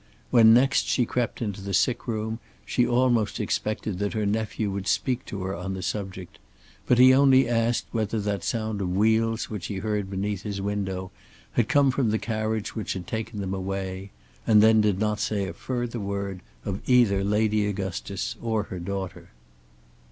When next she crept into the sick room she almost expected that her nephew would speak to her on the subject; but he only asked whether that sound of wheels which he heard beneath his window had come from the carriage which had taken them away, and then did not say a further word of either Lady Augustus or her daughter.